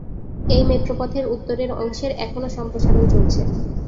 এই মেট্রো পথের উত্তরের অংশের এখনও সম্প্রসারণ চলছে।